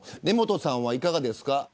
根本さんはいかがですか。